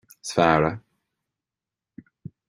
is fear é